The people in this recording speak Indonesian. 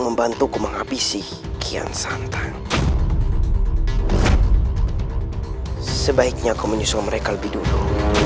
membantuku menghabisi kian santan sebaiknya kau menyusul mereka lebih dulu